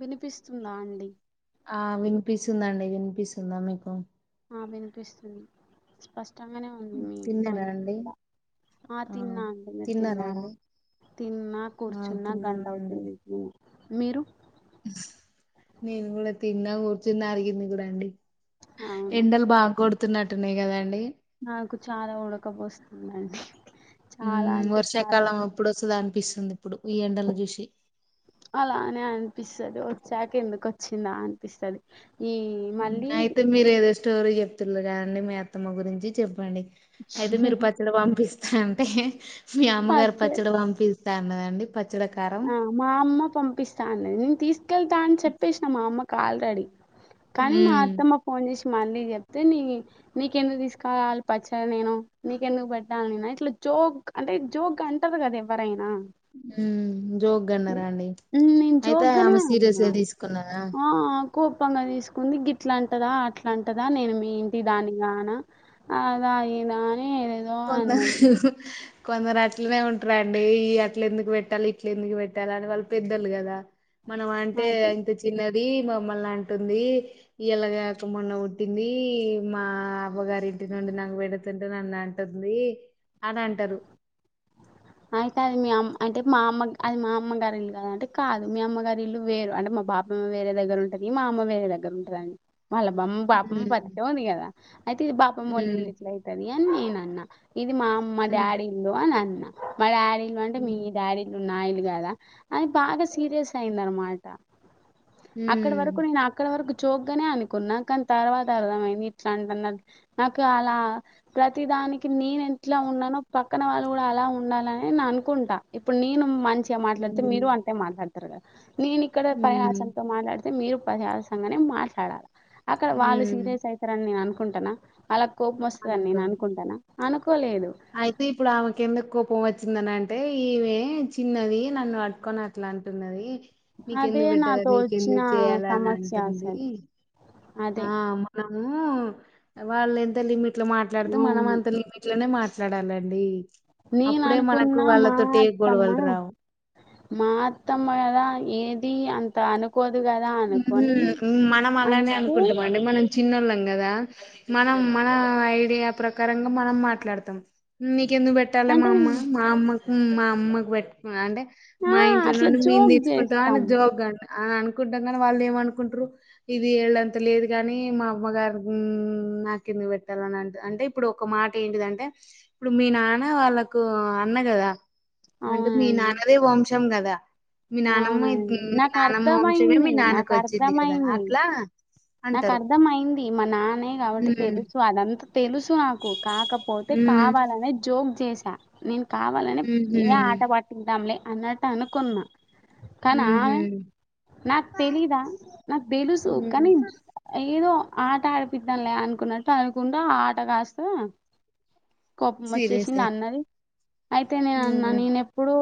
వినిపిస్తుందా అండి ఆ వినిపిస్ ఉందా అండి వినిపిస్ ఉందా మీకు ఆ వినిపిస్తుంది స్పష్టంగానే ఉంది మీ తిన్నారా గొంతు అండి కూడా ఆ తిన్నా అండి మీరు తిన్నారా తిన్నా ఆ కూర్చున్నా గంట తిన్నానండి అవుతుంది మీరు నేను కూడా తిన్నా కూర్చుని అరిగింది కూడా అండి అవును ఎండలు బాగా కొడుతున్నట్టున్నాయి కదండి నాకు చాలా ఉడకపోస్తుందిండి ఉ వర్షాకాలం అప్పుడు వస్తుందిా అనిపిస్తుంది ఇప్పుడు ఈ ఎండలను చూసి పిస్తాది వచ్చాక ఎందుకు వచ్చిందా అనిపిస్తది ఈ మళ్ళీ నైట్ మీరు ఏదో స్టోరీ చెప్తుండగా కదండి మీ అత్తమ గురించి చెప్పండి అయితే మీరు పచ్చడి పంపిస్త అంటే మీ అమ్మగారు పచ్చ పచ్చడి పంపిదు స్తన్నదండి పచ్చడా కారం ఆ మా అమ్మ పంపిస్తా అన్నది నేను తీసుకెళ్తా అని చెప్పేసిన మా అమ్మకు ఆల్రెడీ కానీ మా ఉమ్ అత్తమ్మ ఫోన్ చేసి మళ్ళీ చెప్తే నీ నీకెందుకు తీసుకరావాలి పచ్చడి నేను నీకెందుకు పెట్టాలి అని ఇట్లా చెప్ జోగ్ అంటే జోగ్ అంటారు కదా ఎవరైనా ఉ జోక్గాన్నారా అండి ఉమ్, నేను అయితే జోగ్గానే ఆమె సీరియస్ అన్నా గా తీసుకున్నాార ఆ కోపంగా తీసుకుంది గిట్లాంటరా అట్లాంటరా నేను మీ ఇంటి దాని కానా అలా ఆయినా కొందరు కొందరు అట్లనే ఉంటారుండి ఈ అట్ల ఎందుకు పెట్టాలి ఇట్ల ఎందుకు పెట్టాలి అని వాళ్ళు పెద్దలు కదా మనం అంటే అంతే ఇంత చిన్న ది మమ్మల్ అంటుంది ఇలాగాక మొన్న ఉుట్టింది మా అవ్వగారి ఇంటి నుండి నాకు పెడుతుంటే నన్ అంటుంది అని అంటారు అయితే అది మీ అమ్మ అంటే మా అమ్మ అది మా అమ్మగారి ఇల్లు కదా అంటే కాదు మీ అమ్మగారి ఇల్లు వేరు అంటే మా బాపమ్మ వేరే దగ్గర ఉంటుంది మా అమ్మ వేరే దగ్గర ఉంటాదండి మళ్ళ బం బాపమ్మ మ్మ్ బతికే ఉంది కదా అయితే ఇది బాపమ్మ వాళ్లు ఇల్లు ఎట్లా మ్మ్ అయితది అని నేన అన్న ఇది మా అమ్మ డాడీ ఇల్లు అని అన్నా మ డాడీ ఇల్లు అంటే మీ మ్మ్ డాడీ ఇల్ నాయిలు కదా అని బాగా సీరియస్ అయింది అన్నమాట అక్కడ మ్మ్ వరకు నేను అక్కడ వరకు చోగ్గానే అనుకున్నా కన్ తర్వాత అర్థమైంది ఇట్లాంటన్నరూ నాకు అలా ప్రతిదా దానికి నేను ఎంట్లా ఉన్నానో పక్కన వాళ్ళు కూడా అలా ఉ ఉండాలనే నా అనుకుంటా ఇప్పుడు నేను మంచిగా మాట్లాడితే మీరు మ్మ్ అంటే మాట్లాడతారు కదా నేను ఇక్కడ మ్మ్ పరిహాసంతో మాట్లాడితే మీరు పరిహాసంగానే మాట్లాడాలి అక్కడ వాళ్ళు మ్మ్ సీరియస్ అవుతారని నేను అనుకుంటాన్నా వాళ్ళ కోపం వస్తుందని నేను అనుకోను అనుకుంటాన్నా అనుకు అయితే ఇప్పుడు ఆమెకి ఎందుకు కోప్ పోము వచ్చిందని అంటే ఇవే చిన్నది నన్ను పట్టుకొని అట్లా అంటున్నది అదే నీకెందుకు పెట్టాలా నాతో వచ్చిన నీకెందుకు చేయాలా అని సమస్య అంటుంది అసలు అదే ఆ మనము వాళ్ళు ఎంత లిమిట్ లో మాట్లాడితే మనం అవును అంత లిమిట్ లోనే మాట్ ట్లాడాలండి నేను అనుకున్న మా అత్తమ్మ గొడవలు రావు మా అత్తమ్మ గదా ఏది అంత అనుకు ఉ ఉ మనం అలానే అంటే అనుకుంటామ అండి మనం చిన్నళ్ళం కదా మనం మన ఐడియా ప్రకారంగా మనం మాట్లాడతాం మిక్ కెందుకు పెట్టాలి మా అంటే అమ్మ మా అమ్మకు మా అమ్మకు పెట్ అంటే ఆ మా ఇంట్లో అట్లా నుండి మేం జోక్ తీసుకుంటాం చేస్తాం అని జోగ అన్న కుంటాంనారు వాళ్ళు ఏమనుకుంటారు ఇది ఏళ్ళంత లేదు కాని మా అవ్వగారు గున్ నాక్ ఈ మే పెట్టాలన అంట అంటే ఇప్పుడు ఒక మాట ఏంటిదంటే ఇప్పుడు మీ నాన్న వాళ్ళకు అన్న కదా అంటే మీ అవునండి నాన్నదే వంశం కదా మీ నానమ్మ ఇద్ అవునండి నీ మీ నాకు నానమ్మ వం శమే అర్థమయింది మీ నాకు నాన్నకు వచ్చింది కదా అర్థమయింది అట్లా నాకు అంటారు అర్థం అయింది మా నాన్న కాబట్టి హ్మ్ తెలుసు అదంత తెలుసు నాకు కాకపోతే హ్మ్ కావాలనే జోక్ చేసా నేను కావాలనే ఊహూ ఇంగా ఆట పాటిద్దాంలే అన్నట్టు అనుకున్నా ఊహూ కనావె నాక్ తెలిదా నాక దెలూస హ్మ్ కని ఏదో ఆట ఆడిపిద్దాంలే అనుకున్నట్టు అనుకుంట ఆ ఆట కాస్త కోప్మ్ ఒచ్చేశింది సీరియసే అన్నది అయితే నేను అన్న హ్మ్ నేనెప్పుడూ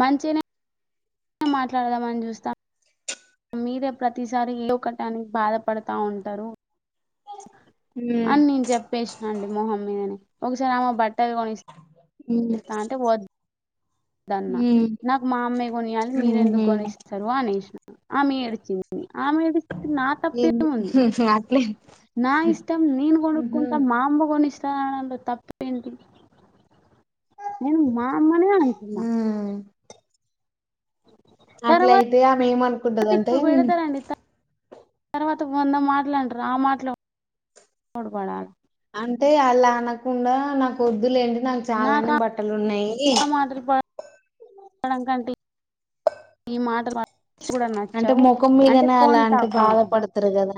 మంచినే నె మాట్లాడదామని జూస్తా మీరే ప్రతిసారి ఏకటానికి బాధపడతా ఉంటారు హ్మ్ అన్ నెన్ జెప్పేశ్నా అండి మొహం మీదని ఒకసారి అమ్మ బట్ట ట్టల్ గొనిస్ హ్మ్ తా అంటే పోద్ దన్న హ్మ్ నాక్ మా అమ్మే గొనియాలి ఊహూ మీరెందుకు గొనిస్తారు అనేశ్న ఆమె ఏడిచింది ఆమె ఏడిస్తె నా తప్పేముంది ఎందుకు అట్లే నా ఇష్టం నీను ఊహూ గొనుక్కుంట మా అమ్మ గొనిస్ త్ అనడంలొ తప్పేంటి నేను మా అమ్మనే అంటున్నా హ్మ్ తర్వాత అట్లయితే ఆమె ఏమనుకుంటదంటే ఇప్పుడు అంటే బెడతరండి తర్వాత తర్వాత వంద మాటలు అంట్రు ఆ మాట్లు ఒవడుబడాల అంటే అల్లా అనకుండా నాకు ఒద్దులేండి నాకు చాలానే బట్టలు ఉన్నాయి డం కంట ఈ మాటలు శ్ గుడ అంటే నచ్చవ్ ముఖం అంటే మీదనే అలా పోని అంటే పాపం బాధపడతారు కదా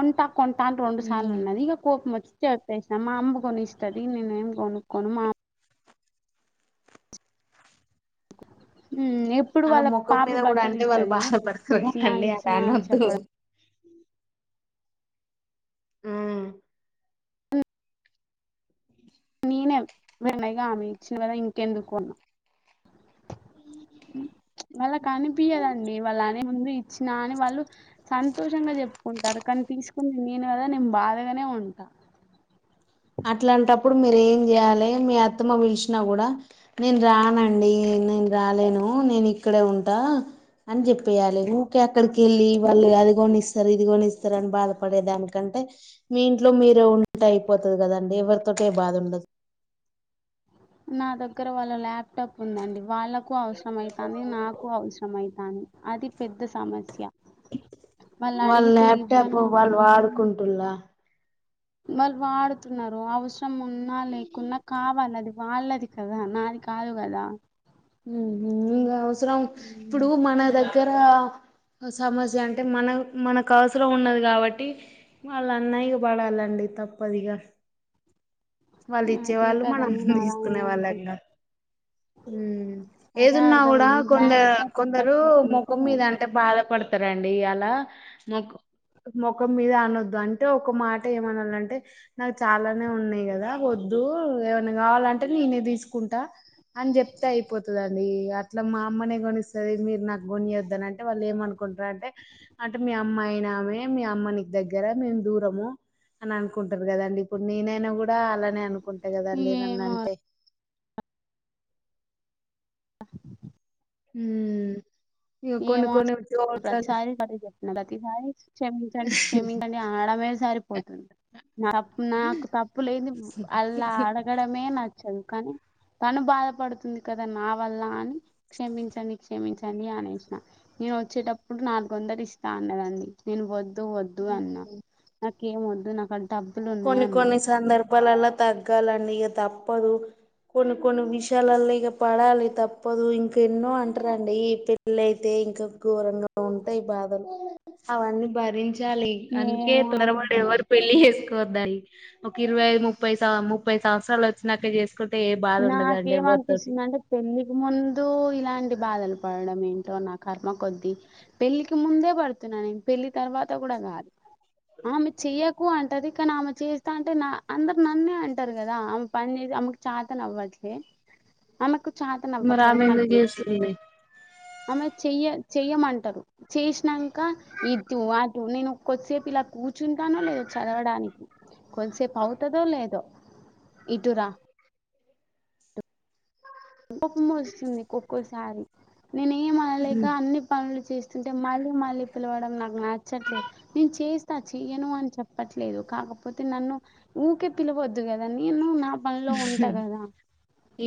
కొంట కొంటా అని రెండు సార్లు అన్నది ఇగ కోప్మ్ ఒచ్చ్ చెప్పేసా మా అమ్మ కొనిస్తది నేను ఏం గెనుక్కోను మా అమ్ ఉమ్, ఎప్పుడు అలా వాళ్ళ ముఖం పాప మీద గుడ బట్టలు అంటే వాళ్ళు ఇస్తుంది బాధపడతరు ఇచ్చినా గదండి అలా ఇచ్చినా అని అనొద్దు చెప్పడం మ్ నేనే వెన్నయగా ఆమె ఇచ్చిన ఇంకెందుకు అన్న మళ్ళ కనిపియదండి వళ్ళ్ ముందు ఇచ్చిన అని వాళ్ళు సంతోషంగా చెప్పుకుంటారు కానీ తీసుకుని నేను గద నెన్ బాధగానే నె ఉంటా అట్లాంటప్పుడు మీరు ఏం జెయాలి మీ అత్తమ్మ విల్శ్నా గూడా నేన్ రానండి నేన్ రాలేను నేన్ ఇక్కడే ఉంటా అన్ జెప్పేయాలి ఊకే అక్కడకి వెళ్ళి వాళ్ళు అది గోనిస్తారు ఇది గోనిస్తారు అని బాధపడేదానికంటే టె మీ ఇంట్లో మీరే ఉంటే అయిపోతాది గదండి ఎవ్వరితోటి ఏ బాధుండదు నా దగ్గర వాళ్ళ ల్యాప్టాప్ ఉందండి వాళ్ళ కు అవసరం అయితాంది నాకు అవసర అయితాంది అది పెద్ద సమస్య వాళ్ళు వాళ్ళ్ అడిగితే ల్యాప్టాప్ ఇవ్వను వాళ్ళు వాడుకుంటుల్లా మళి వాడుతున్నరు అవస్రం ఉన్నా లేకున్నా కావాలి అది వాళ్ళది కదా నాది కాదు గదా మ్ ఇగ ఔస్రం ఉమ్, ఇప్పుడు మన దగ్గర సమస్య అంటే మన మనకు అవసరం ఉన్నది కాబట్టి వాళ్ళ్ అన్న ఇగ బడాలండి తప్పదిగా [inaudible] వాళ్ళు ఇచ్చే అదే వాళ్ళు కదా మనం నేను అలానే దీస్కునే అనుకుంటా వాళ్ళంగా అదే ఏదున్నా గూడా అర్థమైంది ఈ కొందరు ల్యాప్టాప్ ఒక్కటి కొందరు లేకుంటే ముఖం మీద అంటే బాధపడత తరండి అలా మొక్ ముఖం మీద అనొద్దు అంటే ఒక మాట ఏమనాలంటే నాకు చాలానే ఉన్నాయి గదా వొద్ ద్దు ఏమన్నా గావాలంటే నేనే దీసుకుంటా అని చెప్పు పోతుదండి అట్ల మా అమ్మనే గోనిస్తది మీరు నాకు గొనియెద్దు అంటే వాళ్ళు ఏమనుకుంట్ర్ అంటే అంటే మీ అమ్మా అయినామే మీ అమ్మా నీకు దగ్గర మేము దూరము అని అనుకుంట్రు గదండి ఇప్పుడు నేనైనా గుడా అలానే అనుకుంటా గదండి నన్న్ ఏమో అంటే అ మ్ ఏమో ప్రతిసారి చె ప్రతిసారి క్షమించండి క్షమించండి అమే సరిపోతుంది నా నాకు తప్పు లేదు అలా అడగడమే నచ్చదు కానీ తను బాధపడుతుంది కదా నా వల్ల అని క్షమించండి క్షమించండి అనేసి నేను వచ్చేటప్పుడు నాలుగు వందలు ఇస్తా అన్నాదండి నేను వద్దు వద్దు అన్న నాకేం వద్దు నా కదు కొన్ని కొన్ని సందర్భాలలా తగ్గాలండి ఇక తప్పదు కొన్ని కొన్ని విషయాలలో ఇక పడాలి తప్పదు ఇంక ఎన్నో అంటారండి పెళ్ళయితే ఇంకా ఘోరంగా ఉంటాయి బాధలు అవన్నీ భరి చాలి అందుకే ఏమో అన్నది తొందరపడి ఎవరు పెళ్లి చేసు వద్దాయి ఒక ఇరవై ముప్పై ముప్పై సంవత్సరాలు వచ్చినాక చేస్త నాకేమనిపిస్తుంది అంటే పెళ్లికి ముందు ఇలాంటి బాధలు పడడం ఏంటో నా కర్మ కొద్ది పెళ్ళికి ముందే పడుతున్నా నేను పెళ్లి తర్వాత కూడా కాదు ఆమె చెయ్యక తక్కువ అంటాది కానీ ఆమె చేస్తంటే అందరు నన్నే అంటారు కదా ఆమె పని చేసి ఆమెకు చా నవవాడ్లీ ఆమకు మరి ఆమె ఎందుకు చేస్తుంది ఆమె చెయ్య చెయ్యమంటారు చేసినాక ఇటు అటు నేను కొద్దిసేపు ఇలా ఇలా కూర్చుంటానో లేదో చదవడానికి కొద్దిసేపు అవుతదో లేదో ఇటురా కోపం వస్తుంది ఒకసారే నేను ఏమనలేక అన్ని పనులు చేస్తుంటే మళ్ళీ మళ్ళీ పిలవడం నాకు నచ్చట్లేదు నేను చేస్తా చెయ్యను అని చెప్పట్లేదు కాకపోతే నన్ను ఊకే పిలవద్దు కదా నేను నా పనిలో ఉంటా కదా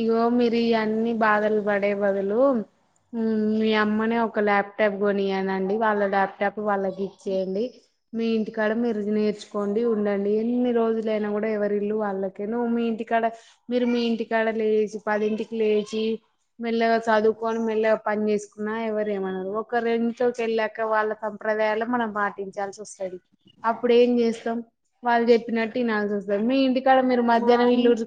ఇగో మీరు అన్ని బాధలు పడే బదులు మీ అమ్మనే ఒక ల్యాప్టాప్ కొనియానండి వాళ్ళ ల్యాప్టాప్ లచ్చేయండి మీ ఇంటికాడ మరు నేర్చుకో ఉండండి ఎన్ని రోజులైనా కూడా ఎవరి ఇల్లు వాళ్ళకే నువ్వు మీ ఇంటికి డ మీరు మీ ఇంటికాడ లేచి పది ఇంటికి లేచి మెల్లగా చదువుకొని మెల్ల పని చేసుకున్నా ఎవరేమన్నారు ఒకరీ ఇంట్లోకి వెళ్ళాక వాళ్ళ సంప్రదాయాాల మనం పాటించాల్సి వస్తుంది అప్పుడు ఏం చేస్తాం వాళ్ళు చెప్పినట్టు ఇనాల్సి వస్తుంది మీ ఇంటికాడ మీరు మా మధ్యాహ్నం అమ్మ ఇల్లుూరు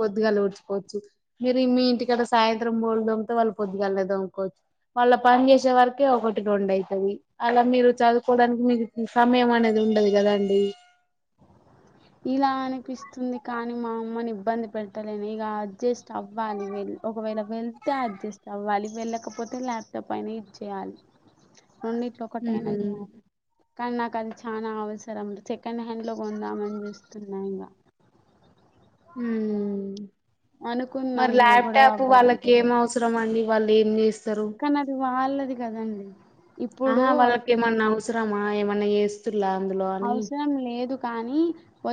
పొద్దుగాల ఊడ్చికోవచ్చు మీరి మీ ఇంటికడ సాయంత్రం పోూలదామ్తో వాళ్ళు పొద్దుగాలే తోముకోవచ్చు వాళ్ళ పని చేసే వరకే ఒకటి రెండు అవుతది అలా మీరు చదువుకోవడానికి మీకు సమయం అనేది ఉ ఉండదు కదండి ఇలా అనిపిస్తుంది కానీ మా అమ్మని ఇబ్బంది పెట్టలేను ఇక అడ్జెస్ట్ అవ్వాలి వెళ్ళి ఒకవేళ వెళ్తే అడ్జస్ట్ అవ్వాలి వెళ్ళకపోతే ల్యాప్టాప్ అయిన ఇచేయాలి రెండిట్లో ఒకటైనా ఉమ్ చేయాలి కానీ నాకు అది చాలనా అవసరం సెకండ్ హ్యాండ్ లో కొందామని చేస్తున్నా ఇంకా ఉ అనుకున్నా మరి నిన్న గొడవ ల్యాప్టాప్ వాళ్ళకి అవ్వడంతోటే ఏం అవసరం అండి వాళ్ళు ఎన్ని రు కానీ అది వాళ్ళది కదండి ఇప్పుడు ఆహా వాళ్ళకిమన్నా అవసరమా ఏమ అన్న చేస్తులా అందులో అని అవసరం లేదు కానీ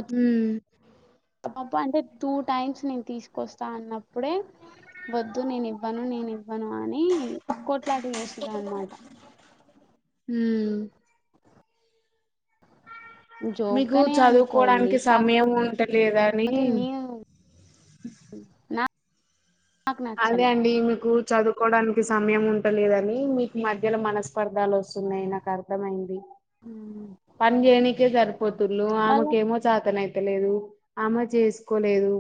హ బ అంటే టూ టైమ్స్ నేను తీసుకొస్తా అన్నప్పు ఇప్పుడే వద్దు నేను ఇవ్వను నేను ఇ ను అని కోట్లాటి వేసిర అనమాట హ మీకు జోగ్గానే అనుకోండి చదువుకోవడానికి సమయం కాకపోతే కాకపోతే ఉంటలేదని నేను నా నాకు అదే నచ్చలే అండి మీకు చదువుకోవడానికి సమయం ఉంటలేదని మీకు మధ్యలో మనస్పర్ధాలు వస్తాయి న్నాయి నాకు అర్థమైంది ఉమ్. పని చేయనికే సరిపోతుళు వాళ్ళ ఆమెకేమో చ అత్తనయితలేదు అమ్మ చేసుకోలేదు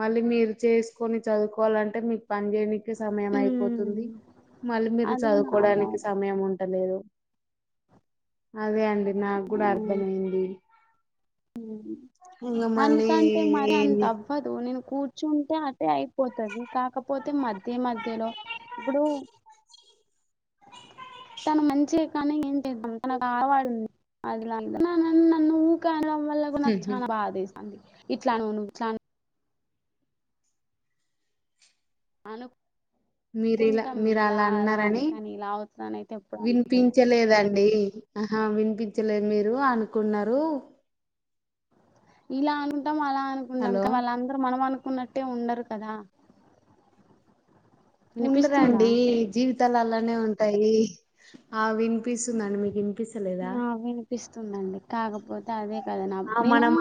మళ్ళీ మీరు చేసుకొని చదువుకోవాలంటే మీ పని చేేయడానికి సమయం అయిపోతుంది ఉమ్, మళ్ళీ మీరు అదే నా చదువుకోవడానికి బాధ సమయం ఉం ట్టలేదు అదే అండి నాకు కూడా అర్థమయింది అంద గంటే మరి అంత ఏమి అవ్వదు నను కూ చంటె అదే అయిపోతుంది కాకపోతే అదే మధ్య మధ్యలో ఇప్పుడు తను మంచిగా కానీ ఏంటిను తనకు ఆడవాడుంది అదిలా నన్ను ఊ అనడం వల్ల కూడా నాకు చాలా బాగాస్తుంది ఇట్లానను ఇట్లా అను మీరి ఇలా మీరు అలా అన్నారని ఇలా అవుతుందని అయితే ఎప్పుడు అనుకోలే వినిపించలేదండి ఆ వినిపించలేదు మీరు అనుకున్నారు ఇలా అనుకుంటాం అలా హలో అనుకుంటాంకా వాళ్ళందరుూ మనం అనుకు కున్నట్టే ఉండరు కదా వినిపిస్తుందా ఉందరాండి జీవిత ద్దలు అలానే ఉంటాయి ఆ వినిపిస్తుందండి మీకు వినిపిస్తలేదా నా వినిపిస్తుందండి కాకపోతే అదే కద నా ఆ నేను మనం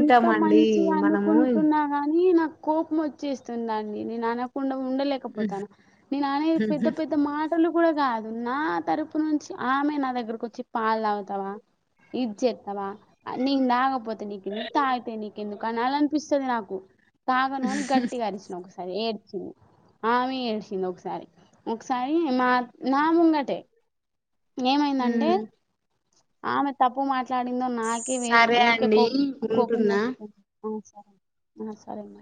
ఇంత మంచిగా మనము అనుకుంటున్నా గాని నాకు కోపం వచ్చి చేస్తుందండి నేను అనకుండా ఉండలేకపోతాను నేను అన్నే పెద్ద పెద్ద మాటలు కూడా కాదు నా తరపు నుంచి ఆమె నా దగ్గరకు వచ్చి పాలు తాగుతావా ఇది చేస్తావా నీను తాకపోతే నీకెందుకు తాగితే నీకెందుకు అని అలా అనిపిస్తుంది నాకు తాగను అని గట్టిగా అరిచిన ఒకసారి ఏడ్చింది ఆమె తెలిసింది ఒకసారి ఒకసారి మా నా ముంగటే ఏమైందంటే హ్మ్. ఆమె తప్పు మాట్లాడిందో నా సరే ఊకే కో అండి కోప వ ఉంటున్నా సరే సరే మ